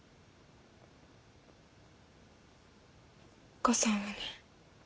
おっ母さんはね